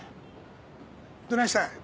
どないしたんや？